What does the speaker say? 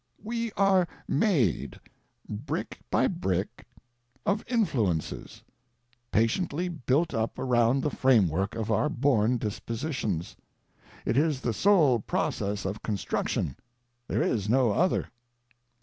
We are made, brick by brick, of influences, patiently built up around the framework of our born dispositions. It is the sole process of construction ; there is no other.